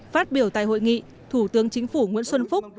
phát biểu tại hội nghị thủ tướng chính phủ nguyễn xuân phúc